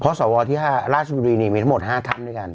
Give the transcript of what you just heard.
เพราะสวที่ราชบุรีมีทั้งหมด๕ท่านด้วยกัน